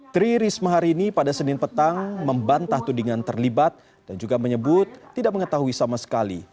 tri risma hari ini pada senin petang membantah tudingan terlibat dan juga menyebut tidak mengetahui sama sekali